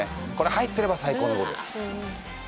入っていれば最高のゴールです。